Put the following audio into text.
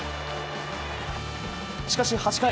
しかし８回。